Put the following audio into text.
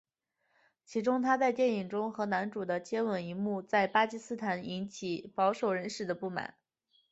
其中她在电影中和男主角的接吻一幕在巴基斯坦引起保守人士的不满。